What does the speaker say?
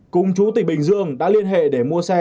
cùng chú tỉnh bình dương đã liên hệ để mua xe